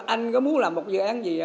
anh có muốn làm một dự án gì